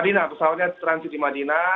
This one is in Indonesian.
dina pesawatnya transit di madinah